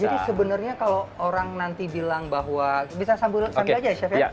jadi sebenarnya kalau orang nanti bilang bahwa bisa sambel aja ya chef ya